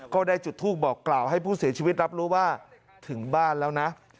ก็ได้จุดทูปบอกกล่าวให้ผู้เสียชีวิตรับรู้ว่าถึงบ้านแล้วนะ